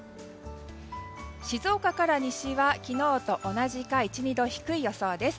静岡から西は昨日と同じか１２度、低い予想です。